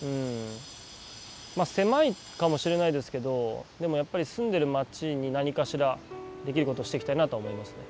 まあ狭いかもしれないですけどでもやっぱり住んでる街に何かしらできることしていきたいなとは思いますね。